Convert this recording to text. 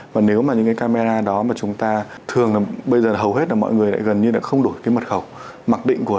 và nếu mà những cái camera đó mà chúng ta thường là bây giờ hầu hết là mọi người lại gần như đã không đổi cái mật khẩu mặc định của